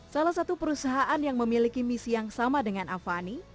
salah satu perusahaan yang memiliki misi yang sama dengan avani